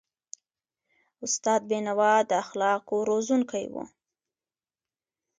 استاد بینوا د اخلاقو روزونکی و.